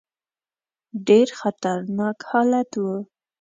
ډېر خطرناک حالت وو.